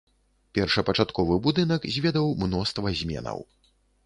Першапачатковы будынак зведаў мноства зменаў.